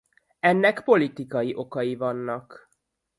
Ennek politikai okai vannak.